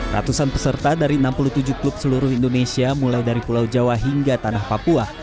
ratusan peserta dari enam puluh tujuh klub seluruh indonesia mulai dari pulau jawa hingga tanah papua